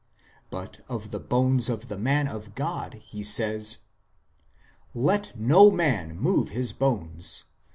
..." But of the bones of the man of God he says :" Let no man move his bones.